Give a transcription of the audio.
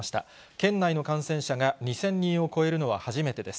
県内の感染者が２０００人を超えるのは初めてです。